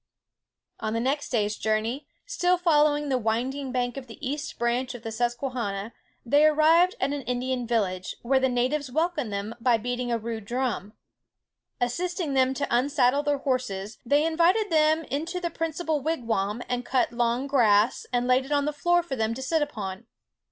On the next day's journey, still following the winding bank of the east branch of the Susquehanna, they arrived at an Indian village, where the natives welcomed them by beating a rude drum. Assisting them to unsaddle their horses, they invited them into the principal wigwam, and cut long grass, and laid it on the floor for them to sit upon.